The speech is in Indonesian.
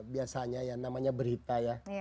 biasanya yang namanya berita ya